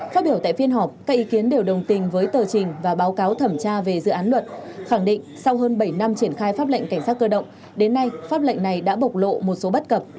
phát biểu tại phiên họp các ý kiến đều đồng tình với tờ trình và báo cáo thẩm tra về dự án luật khẳng định sau hơn bảy năm triển khai pháp lệnh cảnh sát cơ động đến nay pháp lệnh này đã bộc lộ một số bất cập